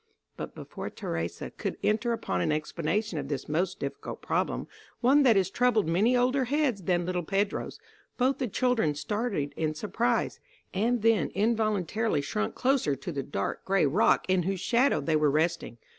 But before Theresa could enter upon an explanation of this most difficult problem one that has troubled many older heads than little Pedro's, both the children started in surprise, and then involuntarily shrunk closer to the dark gray rock in whose shadow they were resting.